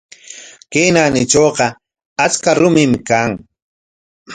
Chay naanitrawqa achka rumim kan.